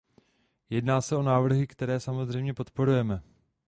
Jedná se o návrhy, které samozřejmě podporujeme.